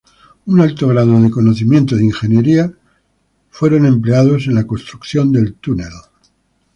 Un alto grado de conocimientos de ingeniería fueron empleados en la construcción del túnel.